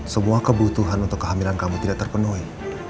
semua kebutuhan untuk kehamilan kamu tidak terpenuhi